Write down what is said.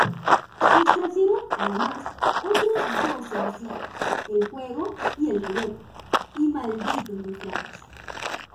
Se extrajeron además otros dos sencillos: "El juego y el juguete" y "Malditos refranes".